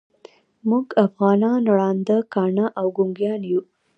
موږ افغانان ړانده، کاڼه او ګونګیان یوو.